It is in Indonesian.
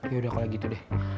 yaudah kalau gitu deh